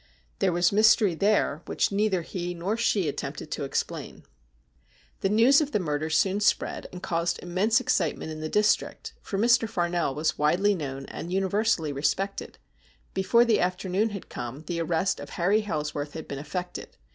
There was mystery there which neither he nor she attempted tc explain. THE BELL OF DOOM 261 The news of the murder soon spread, and caused immense excitement in the district, for Mr. Farnell was widely known and universally respected. Before the afternoon had come the arrest of Harry Hailsworth had been effected.